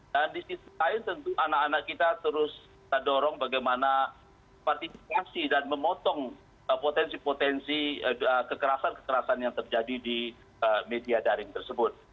dan di situ lain tentu anak anak kita terus kita dorong bagaimana partifikasi dan memotong potensi potensi kekerasan kekerasan yang terjadi di media daring tersebut